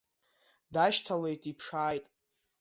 Дашьҭалеит, иԥшааит.